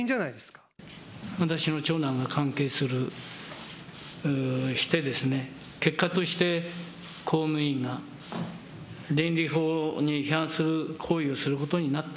私の長男が関係して、結果として公務員が倫理法に違反する行為をすることになった。